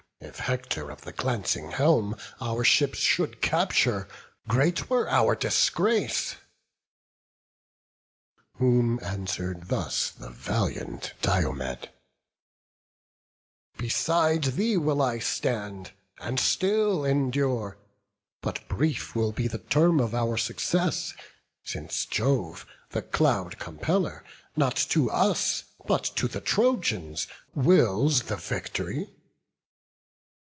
if Hector of the glancing helm Our ships should capture, great were our disgrace." Whom answer'd thus the valiant Diomed: "Beside thee will I stand, and still endure; But brief will be the term of our success, Since Jove, the Cloud compeller, not to us, But to the Trojans, wills the victory."